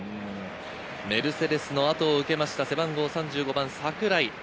メルセデスの後を受けた背番号３５の桜井。